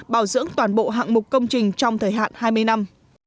bảo dưỡng toàn bộ hạng mục công trình trong thời hạn hai mươi năm